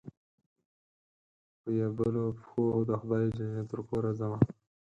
په يبلو پښو دخدای ج ترکوره ځمه